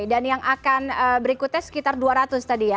dan yang akan berikutnya sekitar rp dua ratus tadi ya